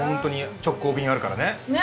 直行便あるからね。ね？